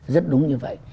rất đúng như vậy